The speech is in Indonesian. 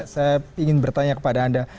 saya ingin bertanya kepada anda